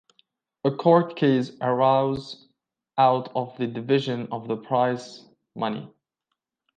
A court case arose out of the division of the prize money.